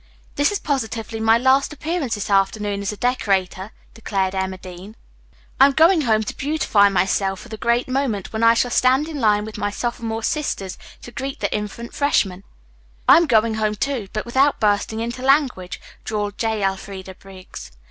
"This is positively my last appearance this afternoon as a decorator," declared Emma Dean. "I'm going home to beautify myself for the great moment when I shall stand in line with my sophomore sisters to greet the infant freshmen." "I'm going home, too, but without bursting into language," drawled J. Elfreda Briggs.